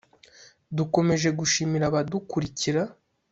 Dukomeje gushimira abadukurikira